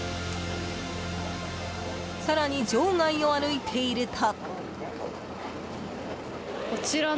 更に場外を歩いていると。